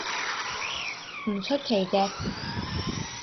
唔出奇嘅